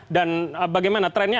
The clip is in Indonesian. dan bagaimana trennya